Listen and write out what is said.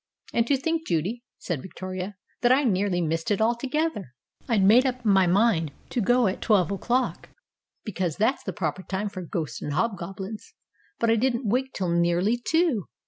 "And to think, Judy," said Victoria, "that I nearly missed it altogether. I'd made up my mind to go at twelve o'clock, because that's the proper time for ghosts and hobgoblins. But I didn't wake till nearly two.